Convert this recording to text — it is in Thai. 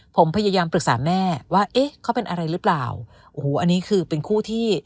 ผมพยายามปรึกษาแม่ว่าเอ๊ะเขาเป็นอะไรหรือเปล่าโอ้โหอันนี้คือเป็นคู่ที่